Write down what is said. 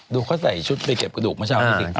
เขาใส่ชุดไปเก็บกระดูกเมื่อเช้านี้สิ